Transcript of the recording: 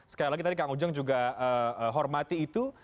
sekali lagi tadi kang ujang juga hormati itu